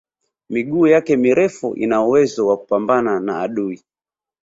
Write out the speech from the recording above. miguu yake mirefu ina uwezo wa kupambana na adui